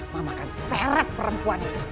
mama akan seret perempuan itu